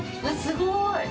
◆すごーい！